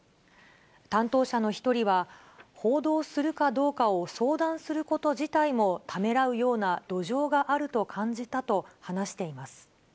担当者の１人は、報道するかどうかを相談すること自体もためらうような土壌があると感じたと話しています。